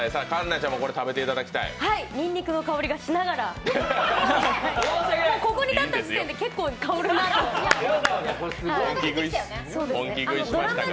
にんにくの香りがしながら、ここに立った時点で本気食いしましたから。